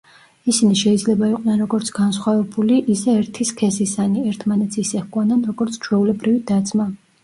ისინი შეიძლება იყვნენ როგორც განსხვავებული, ისე ერთი სქესისანი, ერთმანეთს ისე ჰგვანან, როგორც ჩვეულებრივი და-ძმა.